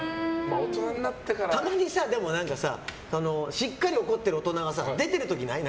たまにしっかり怒ってる大人が出ている時ない？